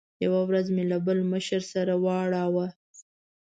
یوه ورځ مې له بل مشر سره واړاوه.